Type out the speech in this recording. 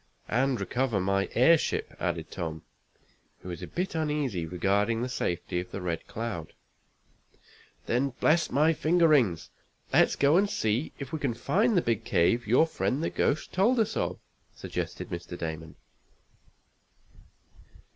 "And recover my airship," added Tom, who was a bit uneasy regarding the safety of the Red Cloud. "Then, bless my finger rings! let's go and see if we can find the big cave your friend the ghost told us of," suggested Mr. Damon.